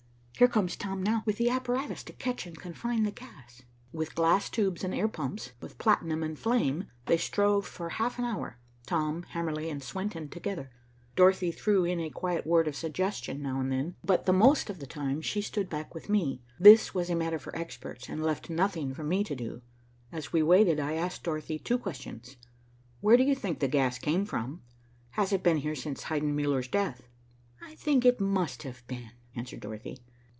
Here comes Tom now, with the apparatus to catch and confine the gas." With glass tubes and air pumps, with platinum and flame, they strove for half an hour, Tom, Hamerly, and Swenton together. Dorothy threw in a quiet word of suggestion now and then, but the most of the time she stood back with me. This was a matter for experts, and left nothing for me to do. As we waited, I asked Dorothy two questions. "Where do you think the gas came from? Has it been here since Heidenmuller's death?" "I think it must have been," answered Dorothy.